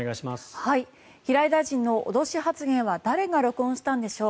平井大臣の脅し発言は誰が録音したんでしょう。